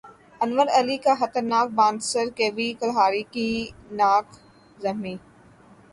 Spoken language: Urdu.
انور علی کا خطرناک بانسر کیوی کھلاڑی کی نکھ زخمی